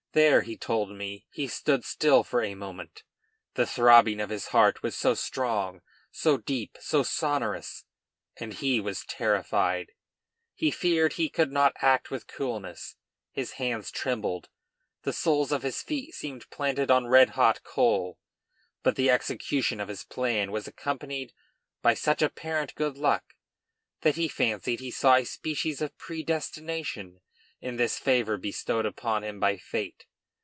There, he told me, he stood still for a moment. The throbbing of his heart was so strong, so deep, so sonorous, that he was terrified; he feared he could not act with coolness; his hands trembled; the soles of his feet seem planted on red hot coal; but the execution of his plan was accompanied by such apparent good luck that he fancied he saw a species of predestination in this favor bestowed upon him by fate.